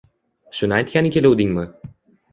Shuni aytgani keluvdingmi?